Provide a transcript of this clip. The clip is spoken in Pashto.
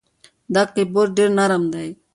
دا کیبورد ډېر نرم دی.